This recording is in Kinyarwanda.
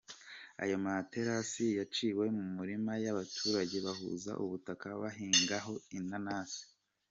Ayo materasi yaciwe mu mirima y’abaturage, bahuza ubutaka bahingaho inanasi.